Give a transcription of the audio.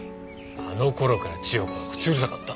あの頃から千代子は口うるさかった。